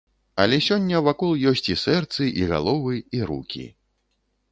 Але сёння вакол ёсць і сэрцы, і галовы, і рукі.